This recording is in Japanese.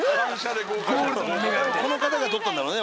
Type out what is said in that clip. この方が撮ったんだろうね